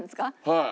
はい。